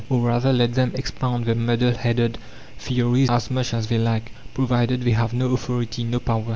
Or rather let them expound their muddle headed theories as much as they like, provided they have no authority, no power!